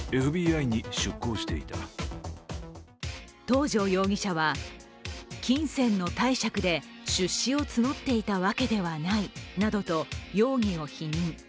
東條容疑者は、金銭の貸借で出資を募っていたわけではないなどと容疑を否認。